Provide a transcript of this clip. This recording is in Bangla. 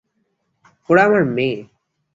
ওরা আমার মেয়ে।